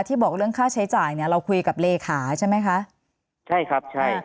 บอกเรื่องค่าใช้จ่ายเนี้ยเราคุยกับเลขาใช่ไหมคะใช่ครับใช่